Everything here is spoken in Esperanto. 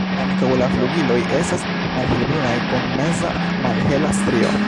Ankaŭ la flugiloj estas malhelbrunaj kun meza malhela strio.